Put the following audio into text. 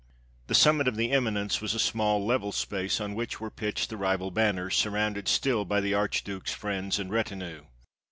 The summit of the eminence was a small level space on which were pitched the rival banners, surrounded still by the Archduke's friends and retinue.